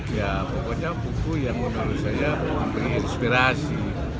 ya pokoknya buku yang menurut saya berinspirasi